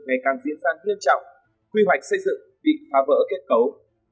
ngày càng diễn ra nghiêm trọng quy hoạch xây dựng bị phá vỡ kết cấu